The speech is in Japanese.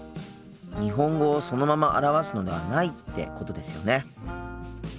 日本語をそのまま表すのではないってことですよね？